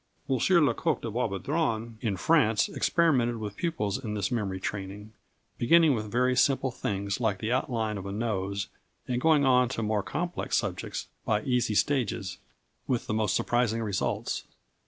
Monsieur Lecoq de Boisbaudran in France experimented with pupils in this memory training, beginning with very simple things like the outline of a nose, and going on to more complex subjects by easy stages, with the most surprising results.